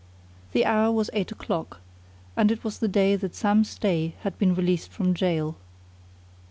The hour was eight o'clock, and it was the day that Sam Stay had been released from gaol.